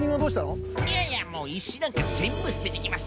いやいやもういしなんかぜんぶすててきます。